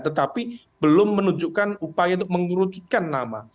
tetapi belum menunjukkan upaya untuk mengerucutkan nama